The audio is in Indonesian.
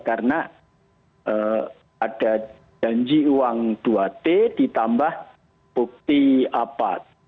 karena ada janji uang dua t ditambah bukti apat